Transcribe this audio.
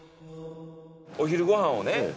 お昼ご飯をね